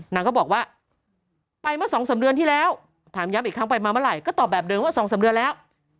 นางก็บอกว่าไปเมื่อสองสามเดือนที่แล้วถามย้ำอีกครั้งไปมาเมื่อไหร่ก็ตอบแบบเดิมว่า๒๓เดือนแล้ว